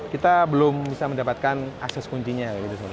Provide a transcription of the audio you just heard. kita belum bisa mendapatkan akses kuncinya